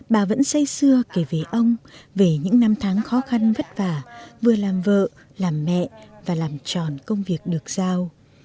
bà vẫn say xưa kể về ông về những năm tháng khó khăn vất vả vừa làm vợ làm mẹ và làm tròn công việc được giao